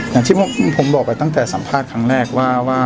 อย่างที่ผมบอกไปตั้งแต่สัมภาษณ์ครั้งแรกว่า